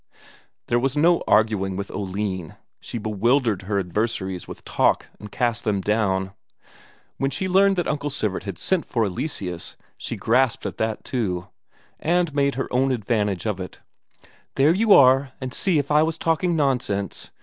There was no arguing with Oline, she bewildered her adversaries with talk and cast them down. When she learned that Uncle Sivert had sent for Eleseus, she grasped at that too, and made her own advantage of it: "There you are, and see if I was talking nonsense.